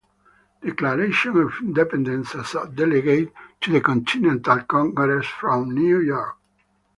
Declaration of Independence as a delegate to the Continental Congress from New York.